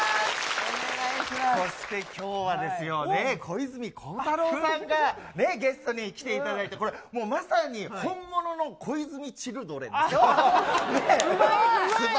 そしてきょうはですよ、小泉孝太郎さんがね、ゲストに来ていただいて、これ、もうまさに本物の小泉チルドレン。